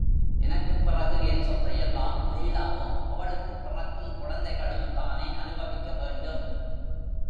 எனக்குப் பிறகு என் சொத்தை யெல்லாம் லீலாவும் அவளுக்குப் பிறக்கும் குழந்தைகளும் தானே அனுபவிக்க வேண்டும்!......